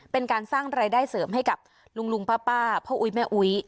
เป็นการสร้างรายได้เสริมให้กับลุงลุงป้าพ่ออุ๊ยแม่อุ๊ย